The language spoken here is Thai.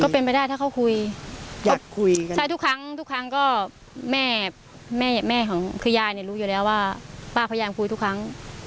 เป็นไปได้ถ้าเขาคุยใช่ทุกครั้งทุกครั้งก็แม่แม่ของคือยายเนี่ยรู้อยู่แล้วว่าป้าพยายามคุยทุกครั้ง